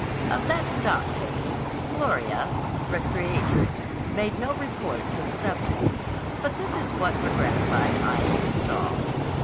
Of that stock taking Gloria, re creatrix, made no report to the subject. But this is what her gratified eyes saw.